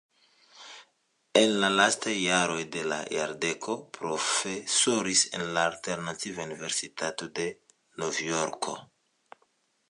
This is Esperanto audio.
En la lastaj jaroj de la jardeko profesoris en la Alternativa Universitato de Novjorko.